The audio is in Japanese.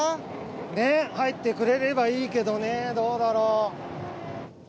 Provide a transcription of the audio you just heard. ねぇ入っててくれればいいけどねどうだろう？